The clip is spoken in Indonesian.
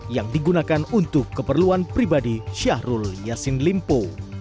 yang digunakan untuk keperluan pribadi syahrul yassin limpo